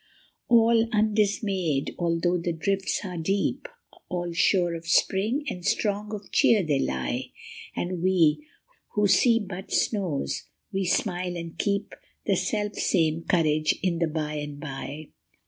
196 UNDER THE SNOW. All undismayed, although the drifts are deep, All sure of spring and strong of cheer they lie ; And we, who see but snows, we smile and keep The selfsame courage in the by and by.